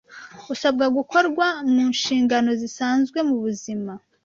usabwa gukorwa mu nshingano zisanzwe mu buzima